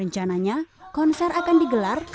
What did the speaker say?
rencananya konser akan digelar